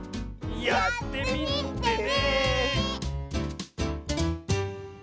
やってみてね！